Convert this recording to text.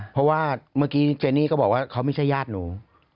เพราะว่าเมื่อกี้เจนี่ก็บอกว่าเขาไม่ใช่ญาติหนู